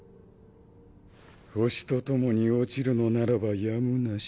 星と共に落ちるのならばやむなし。